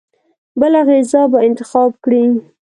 بله غذا به انتخاب کړي.